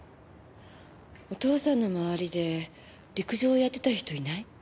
お父さんの周りで陸上をやってた人いない？